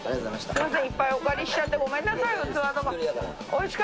いっぱいお借りしちゃってごめんなさい器とか。